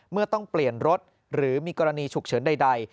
เมื่อต้องเปลี่ยนรถหรือมีกรณีฉุกเฉินใด